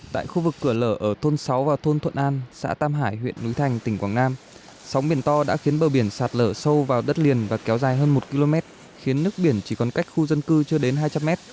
tại khu vực cửa lở ở thôn sáu và thôn thuận an xã tam hải huyện núi thành tỉnh quảng nam sóng biển to đã khiến bờ biển sạt lở sâu vào đất liền và kéo dài hơn một km khiến nước biển chỉ còn cách khu dân cư chưa đến hai trăm linh mét